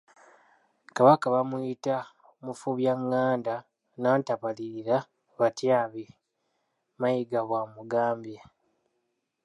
"Kabaka bamuyita Mufumbyagganda Nnantabalirira batyabi.” Mayiga bw'amugambye.